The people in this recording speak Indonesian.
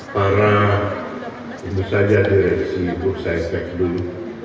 para indosajar direksi bursa efek dulu